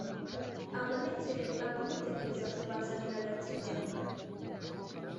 abonekerere abamutegereza kubazanira agakiza.